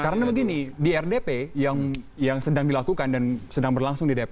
karena begini di rdp yang sedang dilakukan dan sedang berlangsung di dpr